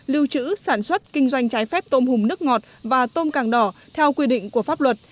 lưu trữ sản xuất kinh doanh trái phép tôm hùm nước ngọt và tôm càng đỏ theo quy định của pháp luật